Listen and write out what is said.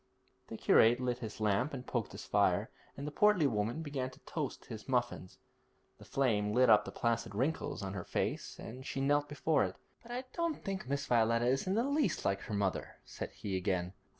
"' The curate lit his lamp and poked his fire, and the portly woman began to toast his muffins. The flame lit up the placid wrinkles of her face as she knelt before it: 'But I don't think Miss Violetta is in the least like her mother,' said he again.